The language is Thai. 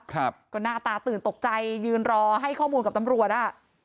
ครับก็หน้าตาตื่นตกใจยืนรอให้ข้อมูลกับตำรวจอ่ะ